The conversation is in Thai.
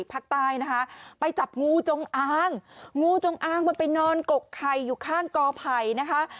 ภาคใต้นะคะไปจับงูจงอางงูจงอางมันไปนอนกกไข่อยู่ข้างกอไผ่นะคะ